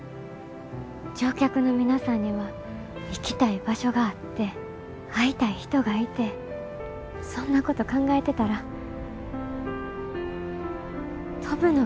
乗客の皆さんには行きたい場所があって会いたい人がいてそんなこと考えてたら飛ぶのが楽しくなってきました。